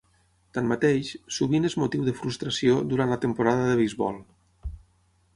Tanmateix, sovint és motiu de frustració durant la temporada de beisbol.